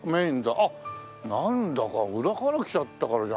あっなんだか裏から来ちゃったからじゃない？